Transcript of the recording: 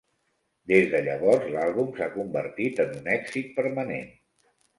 Des de llavors, l'àlbum s'ha convertit en un èxit permanent.